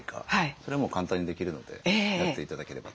それはもう簡単にできるのでやって頂ければと思います。